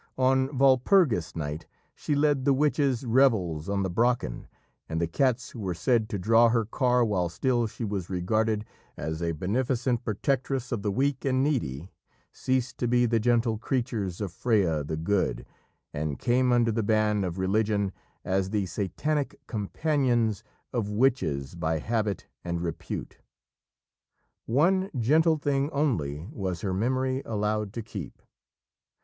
On Walpurgis Night she led the witches' revels on the Brocken, and the cats who were said to draw her car while still she was regarded as a beneficent protectress of the weak and needy, ceased to be the gentle creatures of Freya the Good, and came under the ban of religion as the satanic companions of witches by habit and repute. One gentle thing only was her memory allowed to keep.